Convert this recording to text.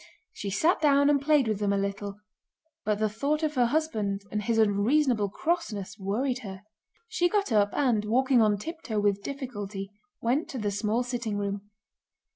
She sat down and played with them a little, but the thought of her husband and his unreasonable crossness worried her. She got up and, walking on tiptoe with difficulty, went to the small sitting room.